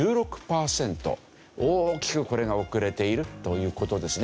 大きくこれが遅れているという事ですね。